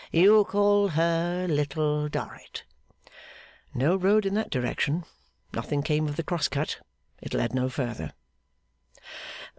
You call her Little Dorrit?' No road in that direction. Nothing came of the cross cut. It led no further.